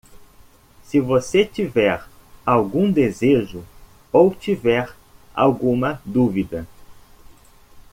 Se você tiver algum desejo ou tiver alguma dúvida